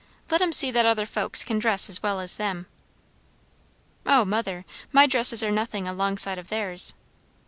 "Let 'em see that other folks can dress as well as them." "O, mother, my dresses are nothing alongside of theirs."